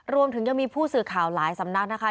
รวมถึงยังมีผู้สื่อข่าวหลายสำนักนะคะ